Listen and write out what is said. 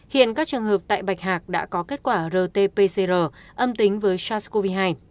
hiện các trường hợp tại bạch hạc đã có kết quả rt pcr âm tính với sars cov hai